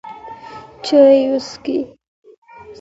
چایې اوښکي